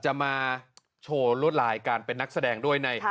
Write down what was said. จะมาโชว์รวดลายการเป็นนักแสดงด้วย